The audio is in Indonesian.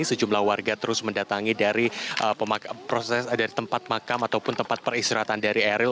sejumlah warga terus mendatangi dari tempat makam ataupun tempat peristirahatan dari emeril